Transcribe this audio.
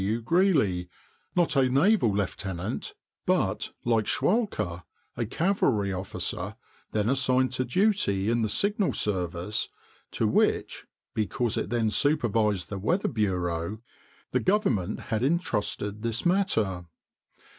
W. Greely—not a naval lieutenant, but, like Schwatka, a cavalry officer, then assigned to duty in the Signal Service, to which (because it then supervised the Weather Bureau) the government had intrusted this matter.